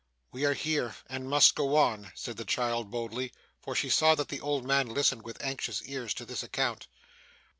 'We are here and must go on,' said the child boldly; for she saw that the old man listened with anxious ears to this account.